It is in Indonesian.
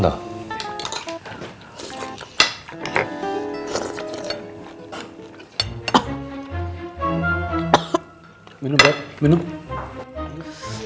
lo mau makan dong